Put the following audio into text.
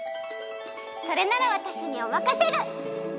それならわたしにおまかシェル！